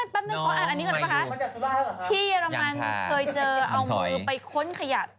ขนของอันนี้แหละครับ